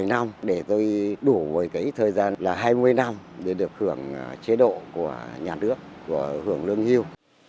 một mươi năm để tôi đủ với cái thời gian là hai mươi năm để được hưởng chế độ của nhà nước của hưởng lương hưu